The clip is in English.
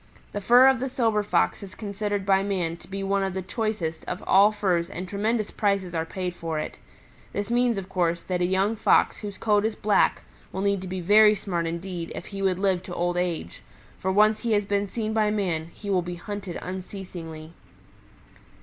The fur of the Silver Fox is considered by man to be one of the choicest of all furs and tremendous prices are paid for it. This means, of course, that a young Fox whose coat is black will need to be very smart indeed if he would live to old age, for once he has been seen by man he will be hunted unceasingly."